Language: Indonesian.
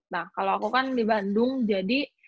nah kalau aku kan di bandung jadi